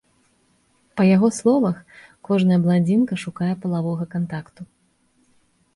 Па яго словах, кожная бландзінка шукае палавога кантакту.